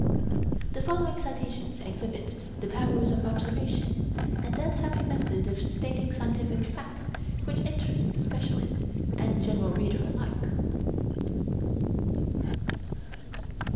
The following citations exhibit his powers of observation, and that happy method of stating scientific facts which interests the specialist and general reader alike.